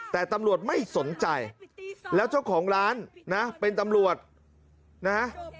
แต่ตำรวจไม่สนใจแล้วเจ้าของร้านนะเป็นตำรวจนะฮะ